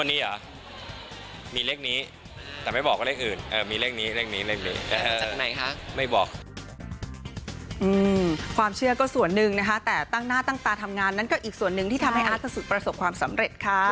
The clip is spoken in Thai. วันนี้หรอมีเลขนี้แต่ไม่บอกเลขอื่นมีเลขนี้เลขนี้ไม่บอกความเชื่อก็ส่วนหนึ่งนะคะแต่ตั้งหน้าตั้งตาทำงานนั้นก็อีกส่วนหนึ่งที่ทำให้อาจจะสุดประสบความสำเร็จค่ะ